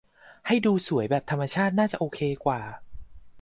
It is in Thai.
ให้ดูสวยแบบธรรมชาติน่าจะโอเคกว่า